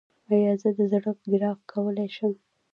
ایا زه د زړه ګراف کولی شم؟